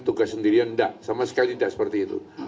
tidak sama sekali tidak seperti itu